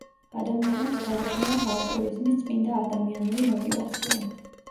ადამიანებს გააჩნიათ ალტრუიზმის წმინდა ადამიანური მოტივაცია.